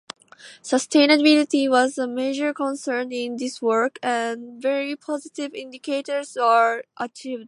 Sustainability was a major concern in this work, and very positive indicators were achieved.